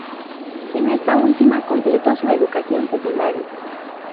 En esta última completó su educación secundaria.